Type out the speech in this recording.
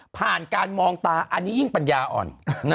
การมองตาอันนี้ยิ่งปัญญาอ่อน